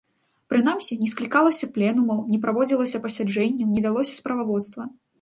Прынамсі, не склікалася пленумаў, не праводзілася пасяджэнняў, не вялося справаводства.